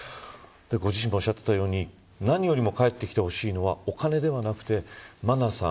ご自身もおっしゃっていたように何よりも帰ってきてほしいのはお金ではなくて真菜さん